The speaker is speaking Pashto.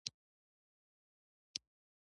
ځایي مخورو سره د اړیکو پرې کول.